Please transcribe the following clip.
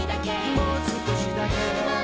「もう少しだけ」